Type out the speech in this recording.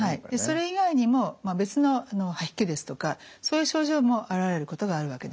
それ以外にも別の吐き気ですとかそういう症状も現れることがあるわけです。